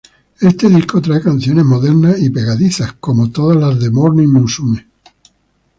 Este disco trae canciones modernas y pegadizas, como todas las de Morning Musume.